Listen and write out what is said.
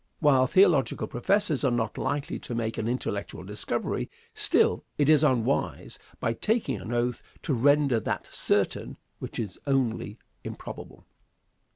While theological professors are not likely to make an intellectual discovery, still it is unwise, by taking an oath, to render that certain which is only improbable.